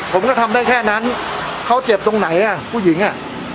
ผมก็ทำได้แค่นั้นเขาเจ็บตรงไหนอ่ะผู้หญิงอ่ะ